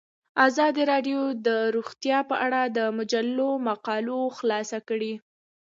ازادي راډیو د روغتیا په اړه د مجلو مقالو خلاصه کړې.